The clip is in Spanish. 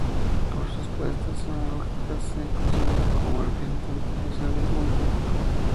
Por sus propuestas pedagógicas, se le considera como representante del racionalismo crítico.